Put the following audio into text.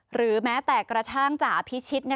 หรือแม้แต่กระทั่งจ่าพิชิต